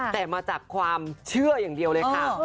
แต่มาจากความเชื่ออย่างเดียวเลยค่ะ